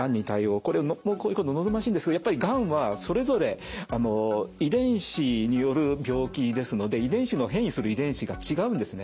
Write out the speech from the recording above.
これ望ましいんですがやっぱりがんはそれぞれ遺伝子による病気ですので遺伝子の変異する遺伝子が違うんですね。